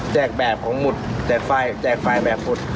แจกแบบของหมุดแจกไฟล์แบบหมุด